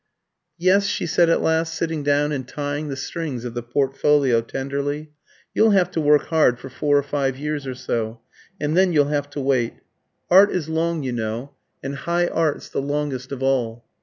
"Yes," she said at last, sitting down and tying the strings of the portfolio tenderly, "you'll have to work hard for four or five years or so; and then you'll have to wait. Art is long, you know, and high art's the longest of all."